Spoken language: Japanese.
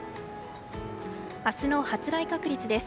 明日の発雷確率です。